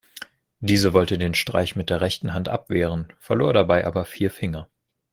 Diese wollte den Streich mit der rechten Hand abwehren, verlor dabei aber vier Finger.